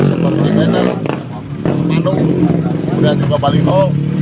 seperti bnr semandung dan juga baliho